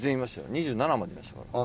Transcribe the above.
２７までいましたから。